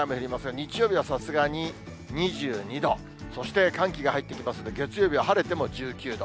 日曜日はさすがに２２度、そして寒気が入ってきますので、月曜日は晴れても１９度。